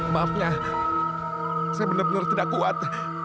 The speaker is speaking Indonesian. maafnya saya benar benar tidak kuat